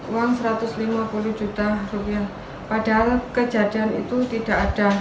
uang satu ratus lima puluh juta rupiah padahal kejadian itu tidak ada